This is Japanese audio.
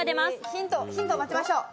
ヒントを待ちましょう。